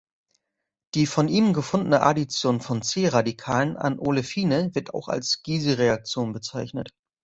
Die von ihm gefundene Addition von C-Radikalen an Olefine wird auch als Giese-Reaktion bezeichnet.